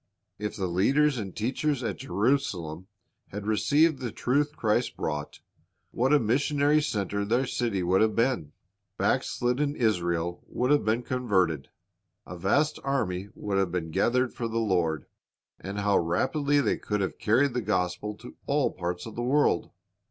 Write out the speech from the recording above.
If the leaders and teachers at Jerusalem had received the truth Christ brought, what a missionary center their city would have been ! Backslidden Israel would have been converted. A vast army would have been gathered for the Lord. And how rapidly they could have carried the gospel to all parts of the world.